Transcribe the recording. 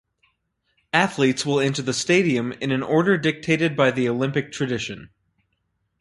Athletes will enter the stadium in an order dictated by the Olympic tradition.